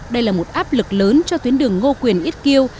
đây là một áp lực lớn cho tuyến đường ngô quyền ít kiêu